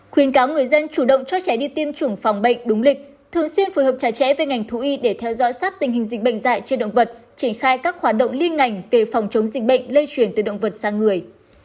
khuyên cáo người dân chủ động cho trẻ đi tiêm chủng phòng bệnh đúng lịch thường xuyên phối hợp chặt chẽ với ngành thú y để theo dõi sát tình hình dịch bệnh dạy trên động vật triển khai các hoạt động liên ngành về phòng chống dịch bệnh lây chuyển từ động vật sang người